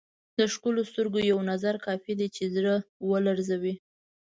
د ښکلو سترګو یو نظر کافي دی چې زړه ولړزوي.